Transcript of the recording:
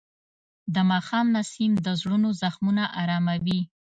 د ماښام نسیم د زړونو زخمونه آراموي.